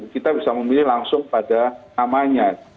kita bisa memilih langsung pada namanya